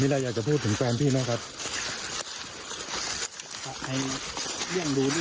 นี่แหละอยากจะพูดถึงแฟนพี่นะครับ